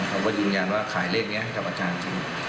เขาก็ยืนยันว่าขายเลขนี้ให้กับอาจารย์จริง